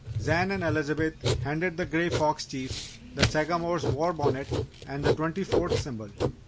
Zan and Elizabeth handed the Grey Fox Chief the Sagamore's war bonnet and the twenty fourth symbol.